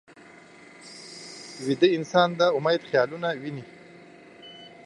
ویده انسان د امید خیالونه ویني